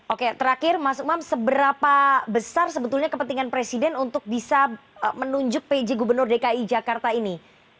oke terakhir mas umam seberapa besar sebetulnya kepentingan presiden untuk bisa menunjuk pj gubernur dki jakarta ini